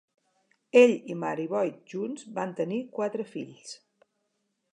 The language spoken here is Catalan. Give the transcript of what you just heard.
Ell i Mary Boyd junts van tenir quatre fills.